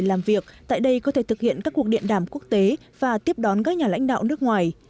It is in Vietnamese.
làm việc tại đây có thể thực hiện các cuộc điện đàm quốc tế và tiếp đón các nhà lãnh đạo nước ngoài